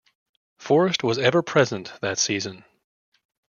Forrest was ever-present that season.